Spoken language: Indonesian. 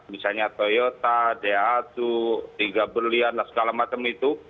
misalnya toyota deatu tiga berlian segala macam itu